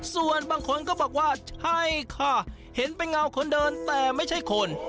ส่วนบางคนก็บอกว่าใช่ค่ะเห็นเป็นเงาคนเดินแต่ไม่ใช่คน